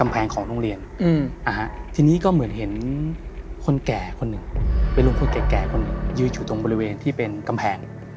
เป็นลุงพ่อแก่คนยืดอยู่ตรงบริเวณที่เป็นกำแผง